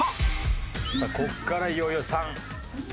さあここからいよいよ３。